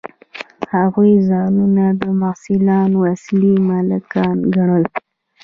هغوی ځانونه د محصولاتو اصلي مالکان ګڼل